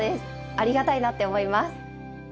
ありがたいなって思います。